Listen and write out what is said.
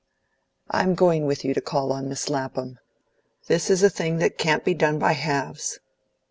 I'm going with you to call on Miss Lapham. This is a thing that can't be done by halves!"